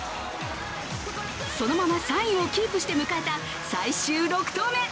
そのまま３位をキープして迎えた最終６投目。